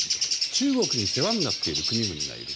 中国に世話になっている国々がいる。